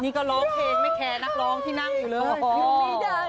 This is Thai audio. นี่ก็ร้องเพลงไม่แคร์นักร้องที่นั่งอยู่เลย